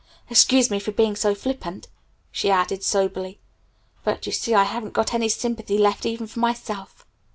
Excuse me for being so flippant," she added soberly, "but you see I haven't got any sympathy left even for myself."